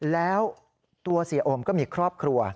แล้วตัวเสียโอมก็มีครอบครัว